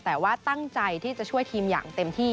แต่ว่าตั้งใจที่จะช่วยทีมอย่างเต็มที่